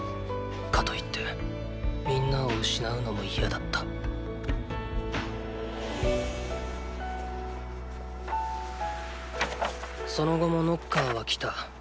かといって皆を失うのも嫌だったその後もノッカーは来た。